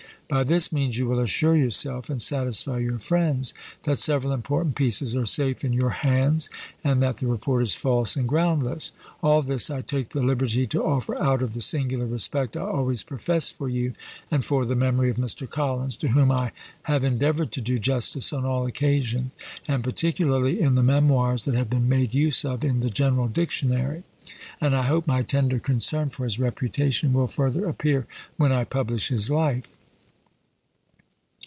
By this means you will assure yourself, and satisfy your friends, that several important pieces are safe in your hands, and that the report is false and groundless. All this I take the liberty to offer out of the singular respect I always professed for you, and for the memory of Mr. Collins, to whom I have endeavoured to do justice on all occasions, and particularly in the memoirs that have been made use of in the General Dictionary; and I hope my tender concern for his reputation will further appear when I publish his life.